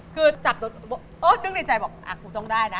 คือจับตรงในใจออกอ่ะคุณต้องได้นะ